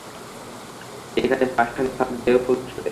এখানে পাষাণের ফাঁক দিয়েও ফুল ফোটে।